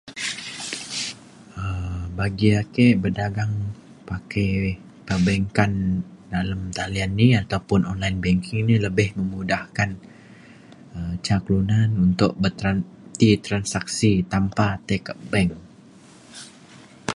um bagi ake bedagang pake perbankan dalem talian ni ataupun online bangking ni lebeh memudahkan [unintelligible] ca kelunan untuk bertran ti transaksi tanpa tai ke bank